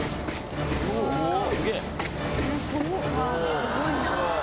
すごいな。